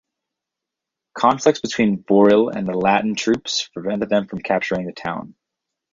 Conflicts between Boril and the Latin troops prevented them from capturing the town.